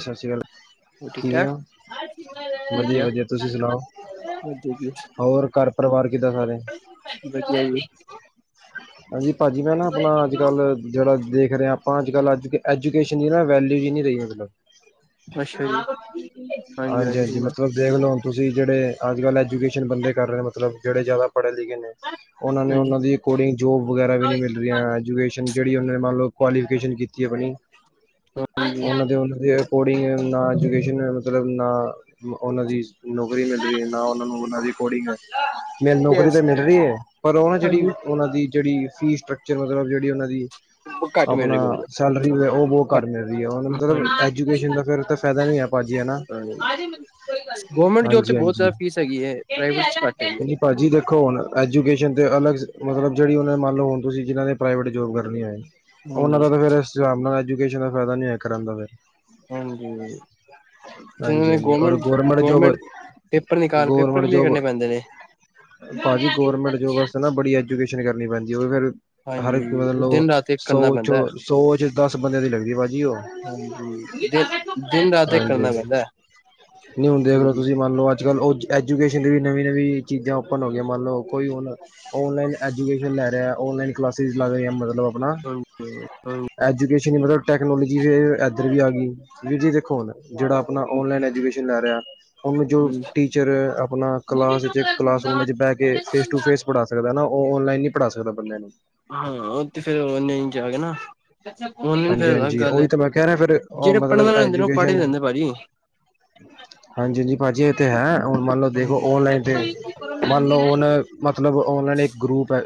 ਸਤਿ ਸ਼੍ਰੀ ਅਕਾਲ ਠੀਕ ਕਿਵੇਂ ਠਾਕ ਹੋ ਵਧੀਆ ਓਕੇ ਜੀ ਹੋਰ ਘਰ ਪਰਿਵਾਰ ਕਿੱਦਾਂ ਸਾਰੇ ਵਧੀਆ ਜੀ [inaudible] ਭਾਜੀ ਮੈਂ ਨਾ ਆਪਣਾ ਅੱਜ ਕੱਲ ਜਿਹੜਾ ਦੇਖ ਦੇਖ ਰਹੇ ਆ ਆਪਾਂ ਅੱ ਕੱਲ ਅੱਜ ਐਜੂਕੇਸ਼ਨ ਦੀ ਨਾ ਵੈਲਿਊਜ਼ ਨੀ ਰਹੀ ਮਤਲਬ ਅੱਛਾ ਜੀ ਹਾਂਜੀ ਹਾਂਜੀ ਹਾਂਜੀ ਹਾਂਜੀ ਮਤਲਬ ਦੇਖਲੋ ਤੁਸੀਂ ਜਿਹੜੇ ਅੱਜ ਕੱਲ੍ਹ ਐਜੂਕੇਸ਼ਨ ਬੰਦੇ ਕਰ ਰਹੇ ਮਤਲਬ ਜਿਹੜੇ ਜ਼ਿਆਦਾ ਪੜ੍ਹੇ ਲਿਖੇ ਨੇ ਉਹਨਾਂ ਨੇ ਉਹਨਾਂ ਦੀ ਅਕੋਰਡਿੰਗ ਜੋਬ ਵਗੈਰਾ ਵੀ ਨਹੀਂ ਮਿਲ ਰਹੀਆਂ ਐਜੂਕੇਸ਼ਨ ਜਿਹੜੀ ਉਹਨਾਂ ਨੇ ਮੰਨ ਲਓ ਕੁਆਲੀਫਾਈ ਐੂਕੇਸ਼ਨ ਕੀਤੀ ਹੈ ਆਪਣੀ ਉਹਨਾਂ ਦੇ ਉਹਨਾਂ ਦੇ ਕੋਗ ਨਾ ਚੁ ਮਤਲਬ ਨਾ ਉਹਨਾਂ ਦੀ ਨੌਕਰੀ ਮਿਲ ਰਹੀ ਹੈ। ਨਾ ਉਹ ਹਾਂਜੀ ਨੂੰ ਉਹਨਾਂ ਦੀ ਅਕੋਡਿੰਗ ਮਿਲ ਨੌਕਰੀ ਯੈਸ ਤਾਂ ਮਿਲ ਰਹੀ ਹੈ। ਪਰ ਉਹ ਨਾ ਜਿਹੜੀ ਹਾਂਜੀ ਉਹਨਾਂ ਦੀ ਜਿਹੜੀ ਫੀ ਸਟ੍ਰਕਚਰ ਮਤਲਬ ਜਿਹੜੀ ਉਹਨਾਂ ਦੀ ਉਹ ਘੱਟ ਮਿਲ ਰਹੀ ਆਪਣਾ ਬਹੁਤ ਜ਼ਿਆਦਾ। ਸੈਲਰੀ ਵਗੈਰਾ ਉਹ ਬੋ ਕਟ। ਮਿਲ ਮਤਲਬ ਐਜੂਕੇਸ਼ਨ ਦਾ ਫਿਰ ਫਾਇਦਾ ਨ ਹੈ। ਭਾਜੀ ਹਨਾ ਗੌਰਮੈਂਟ ਜੋਬ ਤੇ ਹਾਂਜੀ- ਬਹੁਤ ਜ਼ਿਆਦਾ ਫੀਸ ਹੈਗੀ ਹੈ ਪ੍ਰਾਈਵੇਟ ਚ ਘੱਟ ਹੈਗੀ ਹੈ ਹਾਂਜੀ ਭਾਜੀ ਦੇਖੋ ਹੁਣ ਐਜੂਕੇਸ਼ਨ ਤੇ ਅਲਗ ਮਤਲਬ। ਜਿਹੜੀ ਉਹਨਾਂ ਮੰਨ ਲਓ ਹੁਣਸੀਂ ਜਿਨ੍ਹਾਂ ਨੇ ਪ੍ਰਵੇਟ ਜੋਬ ਕਰਨੀਆਂ ਹੈ। ਹਾਂਜੀ ਉਹਨਾਂ ਦਾ ਫੇਰ ਇਸ ਜਾ। ਐਜੂਕੇਸ਼ਨ ਦਾ ਫਾਇਦਾ ਨਹੀਂ ਹੋਆ ਕਰਨ ਦਾ ਫਿਰ ਹਾਂਜੀ ਹਾਂਜੀ -ਹਾਂਜੀ ਰ ਗੌਰਮੈਂਟ ਜੋਬ ਪੇਪਰ ਨਿਕਾਲ ਪੇਪਰ -ਗੌਰਮੈਂਟ ਕਲੀਅਰ ਜੋਬ ਕਰਨੇ ਪੈਂਦੇ ਨੇ। ਪਾਜੀ ਗੌਰਮੈਂਟਜੋਬ ਵਾਸਤੇ ਨਾ ਬੜੀ ਐਜੂਕੇਸ਼ਨ ਬਣ ਜਾ ਉਹਵੇ ਫੇਰ ਹਰ ਇੱਕ ਹਾਂਜੀ ਉਹ ਮਤਲਬ ਦਿਨ ਰਾਤ ਇੱਕ ਕਰਨਾ ਸੌ ਚ ਪੈਂਦਾ ਹੈ ਸੌ ਚ ਦਸ ਬੰਦਿਆਂ ਦੀ ਲੱਗਦੀ ਭਾਜੀ ਉਹ ਹਾਂਜੀ ਦਿਨ ਦਿਨ ਰਾਤ ਇੱਕ ਹਾਂਜੀ ਕਰਨਾ ਪੈਂਦਾ ਹੈ ਨਹੀਂ ਹੁਣ ਦੇਖ ਲ ਹਾਂਜੀ। ਤੁਸੀਂ ਮੰਨ ਲਓ ਅੱ ਅੱਜ ਕੱਲ੍ਹ ਉਹ ਐਜੂਕੇਸ਼ਨ ਦੀ ਵੀ ਨਵੀਂ ਨਵੀਂ ਚੀਜ਼ਾਂ ਓਪਨ ਹੋ ਗਈਆਂ ਮੰਨ ਲਓ ਕੋਈ ਹੁਣ ਔਨਲਾਈਨ ਐਜੂਕੇਸ਼ਨ ਲੈ ਰਿਹਾ ਔਨਲਾਈਨ ਕਲਾਸਿਸ ਲਗਹੀਹਾ ਮਤਲਬ। ਆਪਜੂਕੇਸ਼ਨ ਮਤਲਬ ਟੈਕਨੋਲੋਜੀ ਇੱਧਰ ਵੀ ਆ ਗਈ ਵੀਰ ਜੀ ਦੇਖੋ ਹੁਣ ਜਿਹਾ ਆਪਣਾ ਆਨਲਾਈਨ ਐਜੂਕੇਸ਼ਨ ਜਿਲ੍ਹ ਰਿ [inaudible] ਉਹਨ ਜੋ ਟੀਚਰ ਆਪਣਾ ਕਲਾਸ ਚ ਕਲਾਸਰੂਮ ਵਿੱਚ ਬਹਿ ਕੇ ਫੇਸ ਟੂ ਫੇਸ ਪੜ੍ਹਾ ਸਕਦੇ [unintelligible] ਉਹ ਔਨਲਾਈਨ ਨਹੀਂੀ ਪੜ੍ਹਾ ਸਕਦਾ ਬੰਦੇ ਨੂੰ ਹਾਂ ਉਹ ਤੇ ਫੇਿਰ ਓਨੇ ਜਾ ਕੇ ਨਾ ਓੇ ਹਾਂਜੀ ਫਿਰ ਹਾਂਜੀ ਉਹੀ ਗੱਲ ਤਾਂ ਮੈਂ ਕਹਿ ਰਿਹਾ ਫਿਰ ਉਹ ਜਿਹੜੇ ਪੜ੍ਹਨ ਮਤਲਬ ਵਾਲੇ ਹੁੰਦੇ ਨੇ ਉਹ ਪੜ੍ਹੇ ਐਜੂਕੇਸ਼ਨ ਰਹਦੇ ਭਾਜੀ। ਅੱ [inaudible] ਹੁਣ ਮੰਨ ਲਓ ਦੇਖੋ ਔਨਲਾਈਨ ' ਮੰਨ ਹਾਂਜੀ ਲਓਨ ਮਤਲਬ ਔਨਲਾਈਨ ਇੱਕ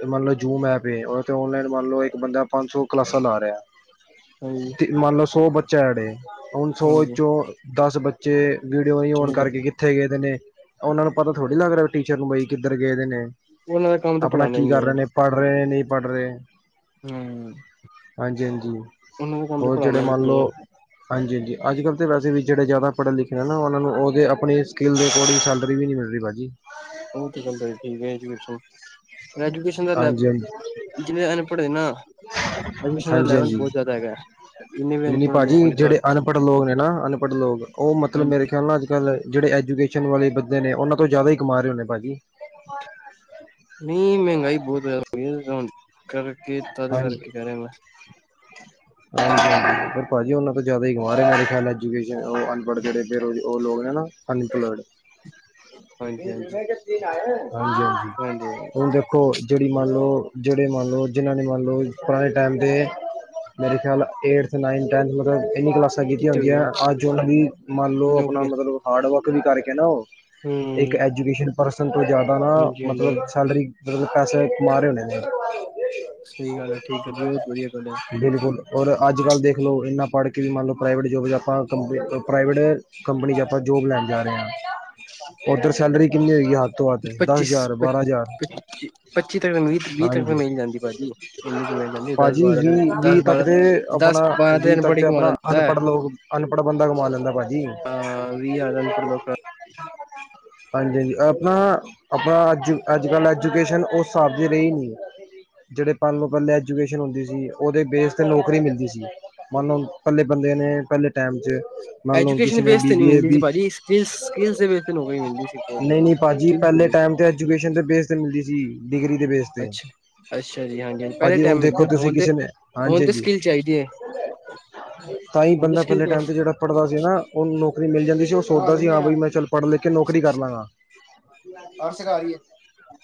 ਮੰਨ ਲਓ ਜੂਮ ਐਪ ਏ ਉਹਥ ਔਨਲਾਈਨ ਲਓ ਇੱਕ ਬੰਦਾ ਪੰਜ ਸੌ ਕਲਾਸਾਂ ਲਾ ਰਿਹਾ ਤੇ ਮੰਨ ਲਓ ਸੌ ਬੱਚੇ ਚੜੇ ਹੁਣ ਸੌ ਹਾਂਜੀ ਚੋਂ ਦਸ ਬੱਚੇ ਜੇ ਵੀਡੀਓ ਨ ਆਉਣ ਚੰਗੀ ਕਰਕੇ ਕਿੱਥੇ ਗਏਦੇ ਨੇ ਉਹਨਾ ਨੂੰ ਪਤਾ ਥੋੜ੍ਹੀ ਲੱਗਦਾ ਟੀਚਰ ਨੂੰ ਬਈ ਕਿੱਧਰ ਗਏਦੇ ਨੇ। ਉਹਨਾਂ ਕੰਮ ਤੇ ਆਪਣਾ ਪੜ੍ਹਾਉਣਾ ਕੀ ਹੀ ਕਰ ਰਹੇ ਨੇ ਪੜ੍ਹ ਰਹੇ ਨੇ ਪ੍ਰ ਬਾਰੇ ਹਮ ਉਹਨਾਂ ਦੇ ਕੰਮ ਤੇ ਹੋਰ ਪਣਾ ਜਿਹੜੇ ਮੰਨ ਲਓ ਹਾਂਜੀ ਹਾਂਜੀ ਅੱਜ ਕੱਲ੍ਹ ਤਾਂ ਵੈਸੇ ਵੀ ਜਿਹੜੇ ਜ਼ਿਆਦਾ ਪੜ੍ਹੇ ਲਿਖੇ ਨੇ ਨਾ ਉਹਨਾਂ ਨੂੰ ਉਹਦੇ ਆਪਣੀ ਸਕਿੱਲ ਦੇ ਅਕੋਡਿੰਗ ਸੈਲਰੀ ਵੀ ਨਹੀਂ ਮਿਲਹੀ ਭਾਅ ਜੀ ਉਹ ਤੇ ਗ ਠੀਕ ਹੈੂਕੇਸ਼ਨ ਐਜੂਕੇਸ਼ਨ ਦਾ ਲੈਲ ਹਾਂਜੀ ਹਾਂਜੀ ਜਿੰਹਨੇ ਅਨਪੜ੍ਹੇ ਨਾ ਐਜੂਕੇਸ਼ਨ ਦਾ ਹਾਂਜੀ ਲੈਵਲ ਹਾਂਜੀ ਬਹੁਤ ਜ਼ਿਆਦਾ ਹੈਗਾ ਜਿੰਨੇ ਵੀ ਨਹੀਂ ਨ ਅਨਪੜ੍ਹ ਲੋਕ ਭਾਜੀ ਨੇ ਜਿਹੜੇ ਸਾਰੇ ਅਨਪੜ੍ਹ ਲੋਕ ਨੇ ਨਾ ਅਨਪੜ੍ਹ ਲੋਕ ਉਹ ਮਤਲਬ ਮੇਰੇ ਖਿਆਲ ਨਾਲ ਅੱ ਕੱਲ ਜਿਹੜੇ ਐਜੂਕੇਸ਼ਨ ਵਾਲੇ ਬੰਦੇ ਨੇ ਉਹਨਾਂ ਤੋਂ ਜ਼ਿਆਦਾ ਹੀ ਕਮਾ ਰਹੇ ਹੋ ਨੇ ਭਾਜੀ ਨਹੀਂ ਮਹਿੰਗਾਈ ਬਹੁਤ ਜ਼ਿਆਦਾ ਹੋਈ ਕਰਕੇ ਤਦ ਹਾਂਜੀ ਕਰਕੇ ਕਰਹਿ ਰਿਿਆ ਮੈਂ ਹਾਂਜੀ ਹਾਂਜੀ ਭਾਜੀ ਉਹਨਾਂ ਤੋਂ ਜਿਆਦਾ ਹੀ ਗਵਾ ਰਿਹਾ ਹਾਂ ਐਜੂਕੇਸ਼ਨ ਉਹ ਅਨਪੜ੍ਹ ਜਿੜੇ ਉਹ ਲੋਕ ਨੇ ਨਾ ਅਨਇੰਪਲੋਇਡ ਹਾਂਜੀ ਹਾਂਜੀ ਹਾਂਜੀ ਹਾਂਜੀ ਹ ਦੇਖੋ ਜਿਹੜੀ ਮੰਨ ਲਓ ਜਿਹੜੇ ਮੰਨ ਲਓ ਜਿੰਨ੍ਹਾਂ ਨਹੀਂ ਮੰਨ ਲਓ ਪੁਰਾਣੇ ਟਾਈਮ ਦੇ ਮਰੇ ਖਿਆਲ ਏਥ ਨਾਈਨਥ ਟੈਂਨਥ ਮਤਲਬ ਇੰਨੀ ਕਲਾਸ ਕੀਤੀਆਂ ਕਿੱਥੇ ਹੁੰਦੀਆਂ ਹੋਈ ਅੱਜ ਉਹਨਾਂ ਦੀ ਮੰਨ ਲਓ ਆਪਣਾ ਨੌਕਰੀਆਂ ਮਤਲਬ ਹਾਰਡ ਵਰਕ ਤੁਮੀ ਕਰਕੇ ਨ ਹਮ ਇੱਕ ਐਜੂਕੇਸ਼ਨ ਪਰਸ ਕੋ ਜ਼ਿਆਦਾ ਨਾ ਹਾਂਜੀ ਹਾਂਜੀ ਮਤਲਬ ਸੈਲਰੀ ਜਿਦੜੇ ਪਸੇ ਕਮਾ ਰਹੇ ਹੋਣੇ ਨੇ ਸਹੀ ਗੱਲ ਹੈ ਠੀਕ ਆ ਬਹੁਤ ਵਧੀਆ ਤੁਹਾਡਾ ਬਿਲਕੁਲ ਔਰ ਅੱਜ ਕੱਲ੍ਹ ਦੇਖ ਲਓ ਇੰਨਾ ਪੜ੍ਹ ਕੇ ਵੀ ਮੰਨ ਲਓ ਪ੍ਰਾਈਵੇਟ ਜੋਬ 'ਚ ਆਪਾਂ ਕੰਪ ਪ੍ਰਾਈਵੇਟ ਕੰਪਨੀ 'ਚ ਆਪਾਂ ਜੋਬ ਲੈਣ ਜਾ ਰਹੇ ਹਾਂ ਉੱਧਰ ਸੈਲਰੀ ਕਿੰਨੀ ਹੋਈ ਪੱਚੀ ਪੱਚੀ ਤਹ ਤ ਮਿਲ ਭਾਜੀ ਇੰਨੀ ਹਾਂਜੀ ਤੇ ਮਿਲ ਜਾਂਦੀ ਦਸ ਭਾਜੀ ਬਾਰਾਂ ਵੀਹ ਦਸ ਵੀਹ ਤੱਕ ਬਾਰਾਂ ਤੇ ਆਪਣਾ ਦਸ ਬਾਰਾਂ ਤੇ ਵੀਹ ਤੱਕ ਅਨਪੜ੍ਹ ਹੀ ਕਮਾ ਆਪਣਾ ਲੈਂਦਾ ਹੈ ਅਨਪੜ੍ਹ ਲੋਕ ਅਨਪੜ੍ਹ ਬੰਦਾ ਕਮਾ ਲੈਂਦਾ ਭਾਜੀ ਹਾਂ ਵੀਹ ਹਜ਼ਾਰ ਅਨਪੜ੍ਹ ਲੋਕ ਹਾਂਜੀੀ ਹਾਂਜੀ ਆਪਣਾ ਆਪਣਾ ਅਜ ਕਲ ਐਜੂਕੇਸ਼ਨ ਉਸ ਹਿਸਾਬ ਦੀ ਰਹੀ ਨੀ ਜਿਹੜੇ ਪਲ ਨੂੰ ਪਹਿਲੇ ਐਜੂਕੇਸ਼ਨ ਹੁੰਦੀ ਸੀ ਉਹਦੇ ਬੇਸ ' ਨੌਕਰੀ ਮਿਲਦੀ ਸੀ ਮੰਨ ਲਓ ਪੱਲੇ ਬੰਦੇ ਨੇ ਪਹਿਲੇ ਟਾਈਮ ' ਮੰਨ ਲਓ ਐਜੂਕੇਸ਼ਨ ਕਿਸੇ ਨੇ ਬੇਸ ਤੇ ਨਹੀਂ ਬੀਬੀ ਮਿਲਦੀ ਸੀ ਏੀ ਭਾਜੀ ਸਕਿੱਲ ਸਕਿੱਲਸ ਦੇ ਬੇਸ ਤੇ ਨੌਕਰੀ ਮਿਲਦੀ ਸੀ ਬਹੁਤ ਨਹੀਂ ਜ਼ਿਆਦਾ ਨਹੀਂ ਭਾਜੀ ਸਕਿੱਲ ਦੇ ਪਹਿਲੇ ਬੇਸ ਟਾਈਮ ਤੇ ਐਜੂਕੇਸ਼ਨ ਤੇ ਬੇਸ ਤੇ ਮਿਲਦੀ ਸੀ ਡਿਗਰੀ ਦੇ ਬੇਸਦੇ ਅੱਛਾ ਅੱਛਾ ਜੀ ਪਹਿਲੇ ਹਾਂਜੀ। ਹੁਣ ਟਾਈਮ ਮਿਲਦੇ ਦੇਖੋ ਤੁਸੀਂ ਹੁਣ ਤੇ ਕਿਸੇ ਨੇ, ਹੁਣ ਤੇ ਹਾਂਜੀ-ਹਾਂਜੀ, ਸਕਿੱਲ ਚਾਹੀਦੀ ਹੈ ਤਾਂ ਹੀ ਹੁਣ ਤੇ ਬੰਦਾ ਸਕਿੱਲ ਪਹਿਲੇ ਟਾਈਮ ਤੇ, ਜਿਹੜਾ ਪੜ੍ਹਦਾ ਸੀ ਨਾ ਉਹ ਮਿਲ ਜਾਂਦੀ ਸੀ, ਉਹ ਸੋਚਦਾ ਸੀ ਚਾਹੀਦੀ ਹਾਂ ਹੈ। ਬਈ ਮੈਂ ਚੱਲ, ਪੜ੍ਹ- ਲਿਖ ਕੇ, ਨੌਕਰੀ ਕਰ ਲਾਂਗਾ ਔਰ ਸਿਖਾ ਰਹੀ ਹੈ,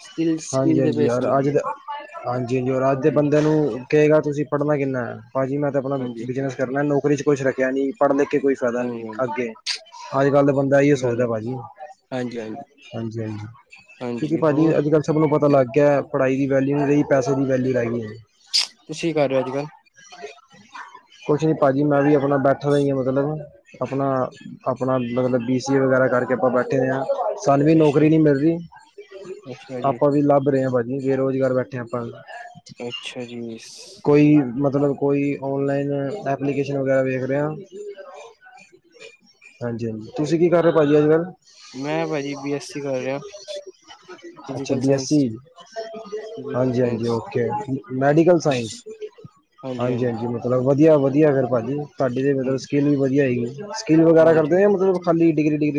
ਸਕਿੱਲ ਸਕਿੱਲ ਹਾਂਜੀ- ਦੇ ਹਾਂਜੀ ਬੇਸ ਯਾਰ ਅੱਜ ਮਿਲਦੀ ਹੈ ਦੇ ਹਾਂਜੀ-ਹਾਂਜੀ, ਔਰ ਅੱਜ ਦੇ, ਹਾਂਜੀ ਬੰਦੇਆ ਨੂੰ ਕਹੇਗਾ ਤੁਸੀਂ ਪੜ੍ਹਨਾ ਕਿੰਨਾ। ਭਾਜੀ ਮੈਂ ਤਾਂ ਆਪਣਾ ਹਾਂਜੀ ਬਿਜਨਸ ਕਰਨਾ ਨੌਰੀ ਚ ਕੁਛ ਰੱਖਿਆ ਨੀ ਪੜ੍ਹਲੇ, ਕੋਈ ਫਾਇਦਾ ਹਾਂਜੀ ਨੀ ਹਾਂਜੀ ਅੱਗੇ, ਹਾਂਜੀ। ਗੱਲ ਬੰਦਾ ਇਹ ਗੱਲ ਸੋਚਦਾ ਹੈ ਭਾਜੀ ਹਾਂਜੀ ਹਾਂਜੀ ਹਾਂਜੀ-ਹਾਂਜੀ ਕਿਉਂਕਿ ਹਾਂਜੀ ਭਾਜੀ ਹੋਰ ਅੱਜ ਕੱਲ ਸਭ ਨੂੰ ਪਤਾ ਲੱਗ ਗਿਆ। ਪੜ੍ਹਾਈ ਦੀ ਵਲਿਊ ਲਈ, ਪੈਸੇ ਦੀ ਵੈਲਿਊ [unintelligible] ਤੁਸੀਂ ਕੀ ਕਰ ਰਹੇ ਹੋ ਅੱਜ-ਕੱਲ? ਕੁਛ ਨੀ ਭਾਜੀ ਮੈਂ ਵੀ ਆਪਣਾ ਬੈਠਾ ਦਾ ਹੀ ਆ ਮਤਲਬ ਆਪਣਾ -ਆਪਣਾ ਮਤਲਬ ਬੀ ਸੀ ਏ ਵਗੈਰਾ ਕਰਕੇ ਆਪਾਂ ਬੈਠੇ ਹੋਏ ਹਾਂ। ਸਾਨੂੰ ਵੀ ਅੱਛਾ ਨੌਕਰੀ ਨਹੀਂ ਮਿਲ ਰਹੀ ਅੱਛਾ ਜੀ ਆਪਾਂ ਵੀ ਲੱਭ ਰਹੇ ਹਾਂ ਭਾਜੀ। ਬੇਰੋਜ਼ਗਾਰ ਬੈ ਅੱਛਾ ਜੀ। ਕੋਈ ਮਤਲਬ ਕੋਈ ਔਨਲਾਈਨ ਐਪਲੀਕੇਸ਼ਨ ਵਗੈਰਾ ਵੇਖ ਰਿਹਾ ਹਾਂਜੀ ਹਾਂਜੀ ਤੁਸੀਂ ਕੀ ਕਰ ਰਹੇ ਹੋ ਭਾਜੀ ਅੱਜ ਕੱਲ੍ਹ ਮੈਂ ਭਾਜੀ ਬੀ ਐੱਸ ਸੀ ਕਰ ਰਿਹਾ ਅੱਛਾ ਫਿਜ਼ੀਕਲ ਸਾਇੰਸ ਬਿਆਸੀ, ਫਿਜ਼ੀਕਲ ਹਾਂਜੀ ਹਾਂਜੀ ਸਾਇੰਸ ਓਕੇ ਮੈਡੀਕਲ ਸਾਇੰਸ ਹਾਂਜੀ ਹਾਂਜੀ ਹਾਂਜੀ ਮਤਲਬ ਵਧੀਆ ਵਧੀਆ ਫਿਰ ਭਾਜੀ ਤੁਹਾਡੀ ਤਾਂ ਮਤਲਬ ਹਾਂਜੀ ਸਕਿੱਲ ਵੀ ਵਧੀਆ ਹੋਏਗੀ। [unintelligible] [unintelligible] ਵਗੈਰਾ ਕਰਦੇ ਆ ਮਤਲਬ ਖਾਲੀ ਡਿਗਰੀ ਡ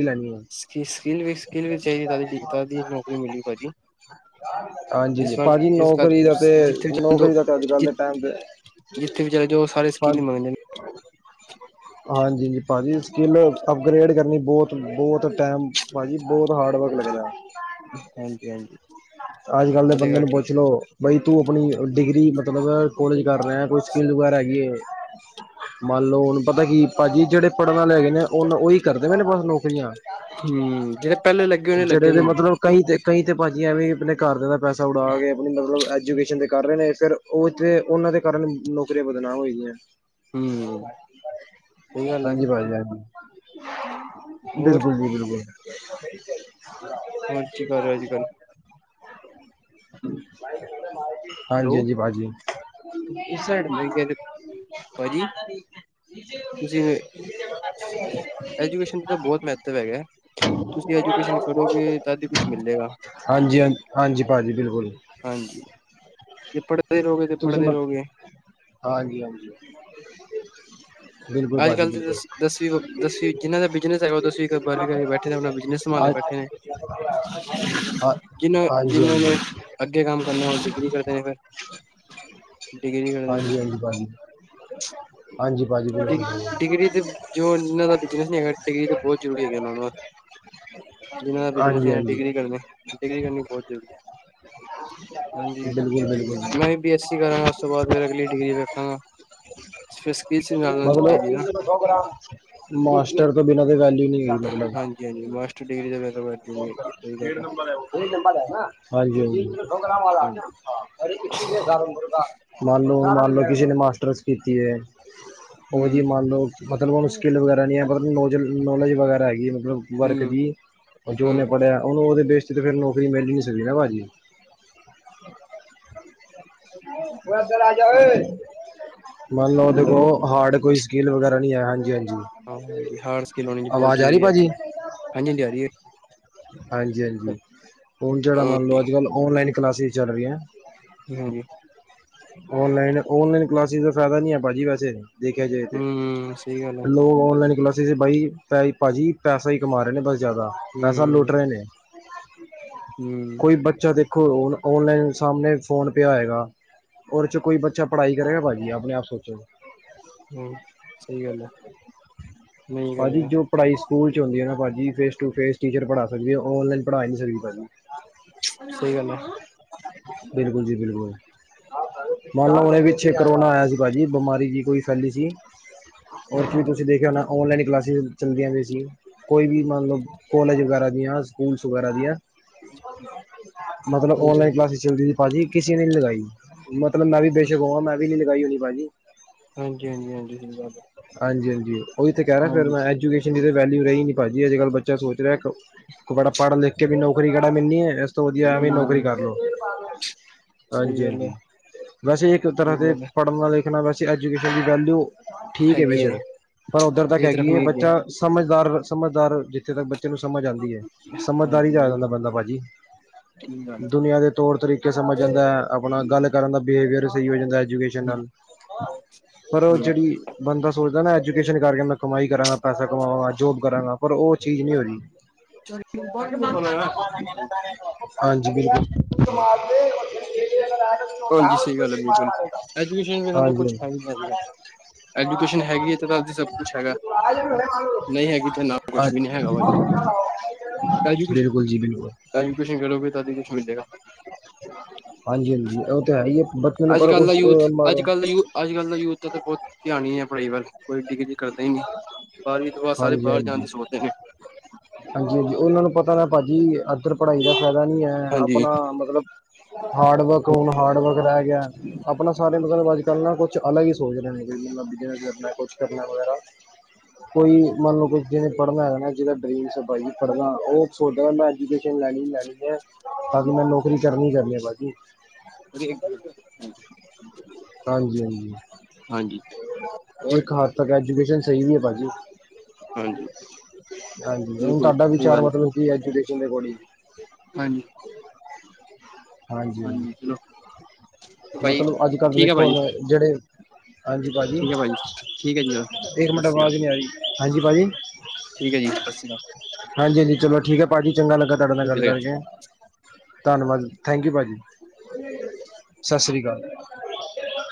ਸਕ ਸਕਿੱਲ ਵੀ ਸਕਿੱਲ ਵੀ ਚਾਹੀਦੀ ਕਾਹਦੀ ਨੌਕਰੀ ਮਿਲੀ ਐ ਭਾਜੀ ਹਾਂਜੀ ਹਾਂਜੀ ਇਸ ਵਾਰ ਭਾਜੀ ਇਸ ਵਾਰ ਨੌਕਰੀ ਦਾ ਤੇ ਜਿੱਥੇ ਵੀ ਚੱਲ ਜਾਓ ਨੌਕਰੀ ਦਾ ਤੇ ਅੱਜ ਕੱਲ ਦੇ ਟਾਈਮ ਤੇ, ਜਿੱਥੇ ਵੀ ਚਲੇ ਜਾਓ ਸਾਰੇ ਸਕਿੱਲ ਮੰਗਦੇ ਹਾਂਜੀ ਭਾਜੀ ਸਕਿੱਲ ਅਪਗ੍ਰੇਡ ਕਰਨੀ ਬਹੁਤ ਬਹੁਤ ਟੈਮ ਭਾਜੀ ਬਹੁਤ ਹਾਰਡ ਵਰਕ ਲੱਗਦਾ। ਹਾਂਜੀ-ਹਾਂਜੀ ਅੱਜ ਕੱਲ੍ਹ ਦੇ ਇਹ ਤੇ ਬੰਦੇ ਗੱਲ ਨੂੰ ਠੀਕ ਪੁੱਛ ਲੋੋ ਬਈ ਤੂੰ ਆਪਣੀ ਡਿਗਰੀ ਮਤਲਬ, ਮਤਲਬ ਕੋਲਜ ਕਰ ਰਿਹੇ ਹਾਂ ਕੋਈ ਸਕੀਲ ਵਗੈਰਾ ਹੈਗੀ ਐ। ਮੰਨ ਲਓ ਉਹਨੂੰ ਪਤਾ ਕੀ ਭਾਜੀ ਜਿਹੜੇ ਪੜ੍ਹਨ ਵਾਲੇ ਹੈਗੇ ਨੇ ਉਹਨ ਉਹੀ ਕਰਦੇ ਨੇ ਬਸ ਨੌਕਰੀਆਂ। ਹੂੰ ਜਿਹੜੇ ਪਹਿਲੇ ਲੱਗੇ ਹੋਨੇ ਜਿਹੜੇ ਲੱਗੇ ਦੇ ਨੇ। ਮਤਲਬ ਕਈ ਤੇ ਕਈ ਤੇ ਭਾਜੀ ਐਵੇਂ ਆਪਣੇ ਘਰ ਦੇ, ਪੈਸਾ ਉਡਾ ਕੇ, ਆਪ ਮਤਲਬ ਐਜੂਕੇਸ਼ਨ ਦੇ ਕਰ ਰਹੇ ਨੇ, ਫਿਰ ਉਹ ਤੇ, ਉਹਨਾਂ ਦੇ ਕਾਰਨ ਨੌਕਰੀਆਂ ਬਦਨਾਮ ਹੋਈਆਂ। ਹੂੰ, ਸਹੀ ਗੱਲ ਹਾਂਜੀ ਹੈ। ਭਾਜੀ ਹਾਂਜੀ ਹੋਰ? ਬਿਲਕੁਲ ਜੀ [unintelligible] ਹੋਰ ਕੀ ਕਰ ਰਹੇ ਹੋ, ਅੱਜ-ਕੱਲ? [inaudible] ਮਾਈ ਮ ਹਾਂਜੀ- ਹੈਲੋ ਹਾਂਜੀ। ਭਾਜੀ। ਮੈਂ ਕਹਿ ਭਾਜੀ ਤੁਸੀਂ ਐਜੂਕੇਸ਼ਨ ਦਾ ਬਹੁਤ ਮਹੱਤਵ ਹੈਗਾ ਤੁਸੀਂ ਐਜੂਕੇਸ਼ਨ ਕਰੋਗੇ ਤਦ ਹੀ ਕੁਛ ਮਿਲੇਗਾ ਹਾਂਜੀ-ਹਾਂਜੀ। ਭਾਜੀ, ਬਿਲਕੁਲ! ਹਾਂਜੀ ਜੇ ਪੜ੍ਹਦੇ ਰਹੋਗੇ ਤੇ, ਪੜ੍ਹਦੇ ਰਹੋਗੇ। ਹਾਂਜੀ-ਹਾਂਜੀ। ਅੱਜ-ਕੱਲ ਤਾਂ, ਦਸ ਦਸਵੀ ਦਸਵੀਂ ਜਿੰਹਨਾਂ ਦਾ ਬਿਜਨਸ ਹੈਗਾ, ਉਹ ਦਸਵੀਂ-ਬਾਰਵੀਂ ਕਰਕੇ ਬੈਠੇ, ਆਪਣਾ ਬਿਜਨਸ ਸੰਭਾਲੇ ਹਾਂ ਬੈਠੇ ਨੇ। ਹਾਂ ਜਿਨਾਂ, ਹਾਂਜੀ ਜਿਨਾਂ ਹਾਂਜੀ ਕੇ, ਕੰਮ ਕਰਨਾ ਹੋ ਡਿਗਰੀ ਕਰ ਦੇਨੇ ਪਏ, ਫਿਰ ਡਿਗਰੀ ਕਰ ਦੇ ਨ ਹਾਂਜੀ [unintelligible] ਭਾਜੀ ਡਿ, ਬਿਲਕੁਲ ਬਿਲਕੁਲ ਡਿਗਰੀ ਤੇ ਜੋ ਇਹਨਾਂ ਦਾ ਬਿਜਨਸ ਨੀ ਹੈਗਾ, ਡਿਗਰੀ ਤਾਂ ਬਹੁਤ ਜ਼ਰੂਰੀ ਹੈਗਾ। ਉਹਨਾਂ ਨੂੰ ਵ ਜਿਨਾਂ ਦਾ ਬਿਜਨਸ ਹਾਂਜੀ ਹੈ, ਹਾਂਜੀ ਡਿਗਰੀ ਕਰਨੀੇ, ਡਿਗਰੀ ਕਰਨੀ ਬਹੁਤ ਜ਼ਰੂਰੀ। ਹਾਂਜੀ। ਬਿਲਕੁਲ ''ਮੈਂ' ਬਿਲਕੁਲ ਵੀ, ਬੀਐੱਸਸੀ ਕਰਾਂਗਾ ਉਸ ਤੋਂ, ਬਾਅਦ ਫਿਰ ਅਗਲੀ ਡਿਗਰੀ ਵੇਖਾਂਗਾ ਫ ਮਤਲਬ। ਮਾਸਟਰ ਤੋਂ ਬਿਨਾਂ ਤ, ਵੈਲਿੳ ਨਹੀਂ ਹੈਗੀ। ਮਤਲਬ, ਹਾਂਜੀ ਹਾਂਜੀ ਮਾਸਟਰ ਡਿਗਰੀ ਤਾਂ ਵੈਸੇ ਵੈਲਿਊ ਨਹੀਂ ਹੈਗੀ ਸਹੀ ਗੱਲ ਆ ਹਾਂਜੀ- ਹਾਂਜੀ। ਵਾਲਾਲ ਹਾਂਜੀ ਦੁਰਗਾ ਮੰਨ ਲਓ, ਕਿਸੇ ਨੇ ਮਾਸਟਰਸ ਕੀਤੀ ਐ ਉਹਦੀ ਹੂੰ ਮੰਨ ਲੋ, ਮਤਲਬ ਹ ਸਕਿੱਲ ਵਗੈਰਾ ਨਹੀਂ ਹੈ, ਮਤਲਬ ਨੌਲੇਜ ਵਗੈ ਵਗੈਰਾ ਹੈਗੀ। ਵਰਕ ਹੂੰ ਦੀ, ਜੋ ਓਹਨੇ ਹੂੰ ਪੜ੍ਹਿਆ ੳਹਨੁ, ਉਹਦੇ ਬੇਸ'ਚ ਤੇ, ਫਿਰ ਨੌਕਰੀ ਮਿਲ ਨਹੀਂ ਸਕ ਸੀਗੀ ਨਾ ਭਾਅ ਜੀ। [unintelligible] ਬ [inaudible] ਯਵੇ ਮੰਨ ਲਓ, ੳਹਦੇ ਕੋਲ, ਹੈਲੋ ਹਾਰਡ ਕੋਈ ਸਕੀਲ ਵਗੈਰਾ ਨਹੀਂ, ਆਆ ਹਾਂਜੀ- ਹਾਂ ਹਾਂਜੀ। ਹਾਰਡ ਸਕਿੱਲ ਹੋਣੀ ਬਹੁਤ ਅਵਾਜ਼ ਆ ਰਹੀ ਜ਼ਰੂਰੀ ਹੈਗੀ ਭਾਜੀ? ਹਾਂਜੀ ਹਾਂਜੀ ਆ ਰਹੀ ਹਾਂਜੀ ਹੈ ਹਾਂਜੀ ਹੁਣ ਜਿਹੜਾ ਮੰਨ ਲਓ ਅੱਜ ਕੱਲ ਓਨਲਾਈਨ ਕਲਾਸਜ਼ ਚੱਲ ਰਹੀਆਂ ਹਾਂਜੀ ਨਲਾਈਨ ਔਨਲਾਈਨ ਕਲਾਸ ਦਾ ਫਾਇਦਾ ਨ ਹੈ ਭਾਜੀ ਵੈਸੇ ਦੇਖਿਆ ਹੂੰ ਸਹੀ ਗੱਲ ਹੈ ਜਾਏਥੇਿਰ ਲੋਕ ਔਨਲਾਈਨ ਕਲਾਸਿਸ ਵੀ ਬਈ ਭ ਭਾਜੀ ਪੈਸਾ ਹੀ ਕਮਾ ਰਹੇ ਨੇ ਬਸ ਜ਼ਿਆਦਾ ਪੈਸਾ ਲੁੱਟ ਹੂੰ ਰਹੇ ਨੇ। ਹੂੰ ਕੋਈ ਬੱਚਾ ਦੇਖ? ਦੇਖੋ ਹੁਣ ਔਨਲਾਈਨ ਸਾਹਮਣੇ ਫ਼ੋਨ ਪਇਆ ਹੋਏਗਾ ਉਹਦੇ ' ਚ ਕੋਈ ਬੱਚਾ ਪੜ੍ਹਾਈ ਕਰੇਗਾ ਭਾਅਜੀ ਆਪਣੇ ਆਪ ਸੋਚੋ। ਹੂੰ ਸਹੀ ਗੱਲ ਹੈ ਨਹੀਂ ਭਾਜੀ ਕਰਿਆ ਜੋ ਪੜ੍ਹਾਈ ਸਕੂਲ ਚ ਹੁੰਦੀ ਹੈ ਨਾ ਭਾਜੀ? ਜੀ ਫੇਸ ਟੂ ਫੇਸ ਟੀਚਰ ਪੜ੍ਹਾ ਸਕਦੇ ਹਾਂ ਔਨਲਾਈਨ ਪੜ੍ਹਾ ਨਹੀਂ ਸਕਦੇ ਭਾਜੀ। ਸਹੀ ਗੱਲ ਹੈ। ਬਿਲਕੁਲ ਜੀ ਬਿਲਕੁਲ ਮੰਨ ਲਓ ਹਾਂਜੀ ਹੁਣੇ ਵੀ ਪਿੱਛੇ ਕਰੋਨਾ ਆਇਆ ਸੀ? ਭਾਜੀ ਬਿਮਾਰੀ ਜਿਹੀ ਕੋਈ ਫੈਲੀ ਸੀ ਉਹ 'ਚ ਵੀ ਤੁਸੀਂ ਦੇਖਿਆ ਹੋਣਾ? ਔਨਲਾਈਨ ਕਲਾਸਾਂ। ' ਚੱਲਦੀਆ ਹੋਇਆ ਸੀ ਕੋਈ ਵੀ ਮੰਨ ਲਓ? ਕੋਲੇਜ ਵਗੈਰਾ ਦੀਆਂ। ਸਕੂਲਸ ਵਗੈਰਾ ਦੀਆਂ ਮਤਲਬ ਔਨਲਾਈਨ ਹਾਂਜੀ ਕਲਾਸਿਸ ਚੱਲਦੀ ਸੀ ਭਾਜੀ। ਕਿਸੇ ਨੇ ਨਹੀਂ ਲਗਾਈ? ਮਤਲਬ ਮੈਂ ਵੀ ਬੇਸ਼ਕ ਹੋਵਾ ਮੈਂ ਵੀ। ਲਗਾਈ ਹੋਣੀ ਭਾਜੀ। ਹਾਂਜੀ ਹਾਂਜੀ ਹਾਂਜੀ ਸਹੀ ਗੱਲ ਹਾਂਜੀ ਹਾਂਜੀ ਹੈ। ਉਹੀ ਤੇ ਕਹਿ ਰਿਹਾ ਫਿਰ ਹਾਂਜੀ ਮੈਂ ਐਜੂਕੇਸ਼ਨ। ਅੱਜ ਇਹਦੀ ਵੈਲੂ ਰਹੀ ਨੀ ਭਾਜੀ ਅੱਜਕੱਲ ਬੱਚਾ ਸੋਚ ਦਾ? ਰਹੈ ਕੋ ਕੋਬੜ ਪੜ ਲਿਖ। ਕੇ ਵੀ ਨੌਕਰੀ ਕਿਹੜਾ ਮਿਲਣੀ ਹੈ? ਇਸ ਤੋਂ ਵਧੀਆ ਇਹ ਵੀ ਨੌਕਰੀ ਹੂੰ ਕਰ ਲਓ। ਸਹੀ ਹਾਂਜੀ ਗੱਲ ਹੈ ਹਾਂਜੀ ਵੈਸੇ ਇੱਕ ਤਰ੍ਹਾਂ ਸਹੀ ਤੇ ਗੱਲ ਹੈ ਪੜ੍ਹਨ ਵਾਲੇ? ਇੱਕ ਨਾ ਵੈਸੇ ਐਜੂਕੇਸ਼ਨ ਦੀ ਵੈਲਿਊ। ਠੀਕ ਹੈ ਬੇਸ਼ੱਕ। ਪਰ ਉੱਧਰ ਤੱਕ ਇਹ ਤਰਫ ਹੈਗੀ ਹੈ ਨਹੀਂ ਬੱਚਾ ਸਮ। ਦਾਰ ਸਮਝਦਾਰ ਜਿੱਥੇ ਤੱਕ ਬੱਚਾ। ਬੱਚੇ ਨੂੰ ਸਮਝ ਆਉਂਦੀ ਹੈ ਸਮਝਦਾਰੀ ਚ ਆ ਹਾਂਜੀ ਜਾਂਦਾ ਬੰਦਾ ਭਾਜੀ ਠੀਕ ਗੱਲ ਹੈ ਦੁਨੀਆਂ ਦੇ ਤੌਰ ਤਰੀਕੇ ਸਮਝ ਜਾਂਦਾ ਆਪਣਾ ਹੂੰ ਗੱਲ ਕਰਨ ਦਾ? ਬਿਹੇਵੀਅਰ ਸਹੀ ਹੋ ਜਾਂਦਾ ਐਜੂਕੇਸ਼ਨ ਨਾਲ ਪਰ ਉਹ ਹੂੰ, ਜਿਹੜੀ? ਬੰਦਾ ਸੋਚਦਾ ਨਾ। ਐਜੂਕੇਸ਼ਨ ਕਰਕੇ ਮੈਂ ਕਮਾਈ ਕਰਾਂਗਾ ਪੈਸਾ? ਕਮਾਵਾਂ ਗਾ ਜੋਬ ਕਰਾਂਗਾ ਪਰ ਉਹ ਚੀਜ਼ ਨਹੀਂ ਹੋ ਰਹੀ ਹਾਂਜੀ ਬਿਲਕੁਲ। ਹਾਂਜੀ ਸਹੀ ਗੱਲ ਹੈ ਬਿਲਕੁਲ ਐਜੂਕੇਸ਼ਨ ਇਹਨਾਂ ਤੋਂ ਹਾਂਜੀ ਕੁਛ ਹੈ ਹੀ ਨੀ ਹੈਗਾ ਐਜੂਕੇਸ਼ਨ ਹੈਗੀ ਹੈ ਦੀ ਸਭ ਕੁਛ ਹੈਗਾ ਨਹੀਂ ਹੈਗੀ ਤੇ ਨਾਲ ਕੁਛ ਵੀ ਨੀ ਹੈਗਾ ਭਾਜੀ ਬਿਲਕੁਲ ਜੀ ਬਿਲਕੁਲ ਐਜੂਕੇਸ਼ਨ ਐਜੂਕੇਸ਼ਨ ਕਰੋਗੇ ਤਦ ਹੀ ਕੁਛ ਮਿਲੇਗਾ। ਤੋਂ ਹੈ ਹੀ ਆ ਅੱਜ, ਕੱਲ੍ਹ ਦਾ ਯੂਥ ਅੱਜ ਕੱਲ ਦਾ ਯੂ ਅੱਜ ਕੱਲ ਦਾ ਯੂਥ ਦਾ ਤਾਂ ਬਹੁਤ ਧਿਆਨ ਹੀ ਹੈ ਪੜ੍ਹਾਈ ਵੱਲ ਕੋਈ ਡਿਗਰੀ ਕਰਦਾ ਹੀ ਨਹੀਂ ਬਾਰਵੀਂ ਤੋਂ ਬਾਅਦ ਸਾਰੇ ਹਾਂਜੀ, ਬਾਹਰ ਜਾਣ ਹਾਂਜੀ, ਦੀ ਸੋਚਦੇ ਨੇ ਹਾਂਜੀ ਹਾਂਜੀ ਉਹਨਾਂ ਨੂੰ ਪਤਾ ਨਾ ਭਾਜੀ ਇਧਰ ਪੜ੍ਹਾਈ ਦਾ ਫਾਇਦਾ ਨੀ ਹੈ ਹਾਂਜੀ ਆਪਣਾ ਮਤਲਬ ਹਾਰਡ ਵਰਕ ਹੁਣ ਹਾਰਡ ਵਰਕ [unintelligible] ਆਪਣਾ ਸਾਰੇ ਮਤਲਬ ਅੱਜ ਕੱਲ ਨਾ ਕੁਛ ਅਲੱਗ ਹੀ ਸੋਚਦੇ ਨੇ [unintelligible] ਕੁ ਕਰਨਾ ਵਗੈਰਾ ਕੋਈ ਮੰਨ ਲਓ ਕਿ ਜਿਹਨੇ ਪੜ੍ਹਨਾ ਹੈਗਾ ਨਾ ਜਿਹੜਾ ਦਾ ਡਰੀਮ [unintelligible] ਪੜ੍ਹਨਾ ਉਹ ਸੋਚਦਾ ਮੈਂ ਐਜੂਕੇਸ਼ਨ ਲੈਣੀ ਲੈਣੀ ਹੈ ਤਾਂ ਕਿ ਮੈਂ ਨੌਕਰੀ ਕਰਨੀ ਕਰਨੀ ਭਾਜੀ [unintelligible] ਹਾਂਜੀ, ਹਾਂਜੀ। ਹਾਂਜੀ ਹੋਰ ਇੱਕ ਹੱਦ ਤੱਕ ਐਜੂਕੇਸ਼ਨ ਸਹੀ ਵੀ ਹੈ ਬਾਕੀ ਹਾਂਜੀ ਹਾਂਜੀ ਹੁਣ ਬਿਲਕੁਲ ਤੁਹਾਡਾ ਸਹੀ ਵਿਚਾਰ ਗੱਲ ਮਤਲਬ ਕੀ ਐਜੂਕੇਸ਼ਨ ਦੇ ਕੋਲ ਹਾਂਜੀ [unintelligible] ਹਾਂਜੀ ਹਾਂ ਭਾਜੀ ਮਤਲਬ ਅੱਜ ਕੱਲ੍ਹ ਠੀਕ ਹੈ ਦੇਖੋ ਭਾਜੀ ਜਿਹੜੇ ਹਾਂਜੀ ਭਾਜੀ। ਠੀਕ ਹੈ ਠੀਕ ਹੈ ਜੀ ਇੱਕ ਸਤਿ ਮਿੰਟ ਸ਼੍ਰੀ ਅਕਾਲ ਆਵਾਜ਼ ਨੀ ਆਈ ਹਾਂਜੀ ਭਾਜੀ ਠੀਕ ਹੈ ਜੀ ਸਤਿ ਸ਼੍ਰੀ ਹਾਂਜੀ, ਹਾਂਜੀ। ਚਲੋ ਠੀਕ ਹੈ। ਭਾਜੀ ਚੰਗਾ ਲੱਗਾ ਤੁਹਾਡੇ ਨਾਲ ਗੱਲ ਅਕਾਲ ਕਰਕੇ। ਧੰਨਵਾਦ ਥੈਂਕ ਯੂ ਭਾਜੀ ਸਤਿ ਸ਼੍ਰੀ ਅਕਾਲ।